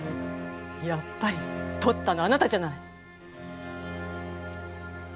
やっぱりとったのあなたじゃない！